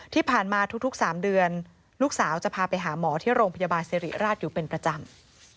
ที่ผ่านมาทุก๓เดือนลูกสาวจะพาไปหาหมอที่โรงพยาบาลสิริราชอยู่เป็นประจำ